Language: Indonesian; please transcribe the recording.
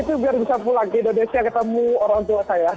itu biar bisa pulang ke indonesia ketemu orang tua saya